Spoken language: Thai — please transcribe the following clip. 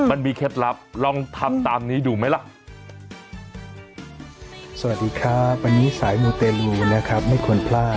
มันมีเคล็ดลับลองทำตามนี้ดูไหมล่ะ